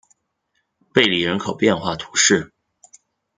贝里人口变化图示